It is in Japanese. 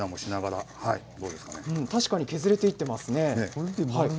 確かに削れていっていますね。